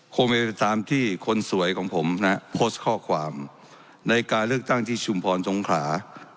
เมตามที่คนสวยของผมนะโพสต์ข้อความในการเลือกตั้งที่ชุมพรสงขลา